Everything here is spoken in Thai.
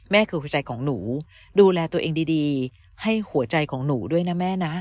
คือหัวใจของหนูดูแลตัวเองดีให้หัวใจของหนูด้วยนะแม่นะ